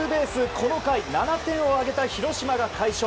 この回、７点を挙げた広島が快勝。